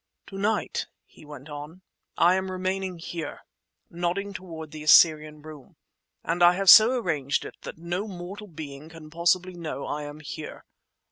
"To night," he went on, "I am remaining in here"—nodding toward the Assyrian Room—"and I have so arranged it that no mortal being can possibly know I am here.